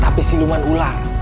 tapi si luman ular